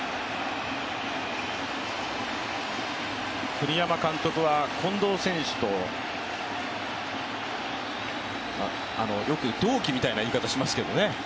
栗山監督は近藤選手とよく同期みたいな言い方しますけどね。